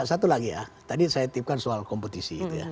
satu lagi ya tadi saya tipkan soal kompetisi itu ya